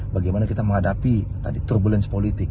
bagaimana kita menghadapi tadi turbulensi politik